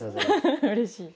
うれしい。